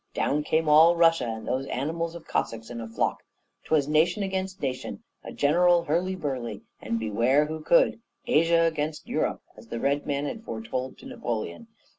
Down came all Russia and those animals of Cossacks in a flock. 'Twas nation against nation, a general hurly burly, and beware who could; 'Asia against Europe,' as the Red Man had foretold to Napoleon.